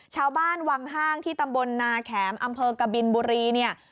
ชาวบ้านวังห้างที่ตำบลนาแขมอำเภอกบินบุรีเนี่ย